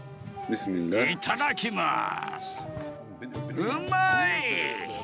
いただきます。